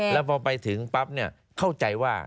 แล้วพอไปถึงปั๊บเข้าใจว่า